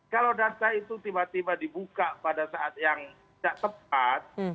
kalau data itu tiba tiba dibuka pada saat yang tidak tepat